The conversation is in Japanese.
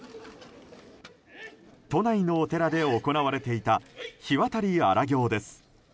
都内のお寺で行われていた火渡り荒行です。